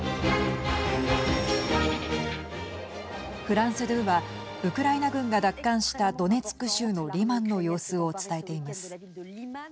フランス２はウクライナ軍が奪還したドネツク州のリマンの様子を伝えています。